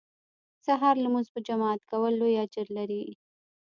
د سهار لمونځ په جماعت کول لوی اجر لري